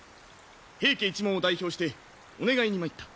平家一門を代表してお願いに参った。